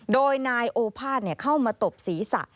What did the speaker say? โดยนายโอภาษเข้ามาตบศีรษะ